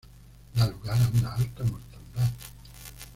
Da lugar a una alta mortandad.